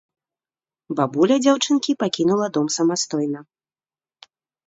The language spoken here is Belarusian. Бабуля дзяўчынкі пакінула дом самастойна.